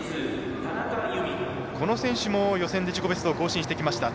この選手も予選で自己ベストを更新してきました。